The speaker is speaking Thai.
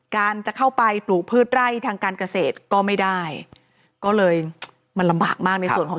จะเข้าไปปลูกพืชไร่ทางการเกษตรก็ไม่ได้ก็เลยมันลำบากมากในส่วนของ